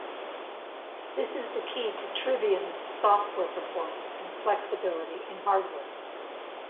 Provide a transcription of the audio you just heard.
This is the key to Trivium's software performance and flexibility in hardware.